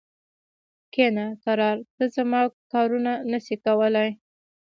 کښینه کرار! ته زما کارونه نه سې کولای.